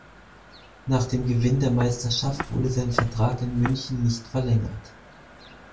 Nach dem Gewinn der Meisterschaft wurde sein Vertrag in München nicht verlängert.